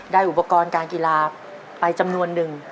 อุปกรณ์การกีฬาไปจำนวนนึง